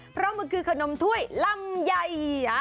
เพราะมันคือขนมถ้วยลำไย